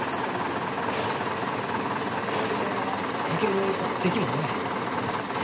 わし酒も一滴も飲めん。